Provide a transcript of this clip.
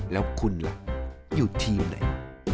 แล้วคุณล่ะอยู่ทีมไหน